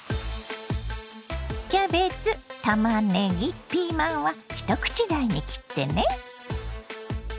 キャベツたまねぎピーマンは一口大に切ってね。